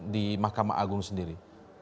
di mahkamah agung sendiri